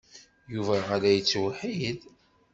Yuba a la yettweḥḥid.